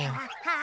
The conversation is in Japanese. あ！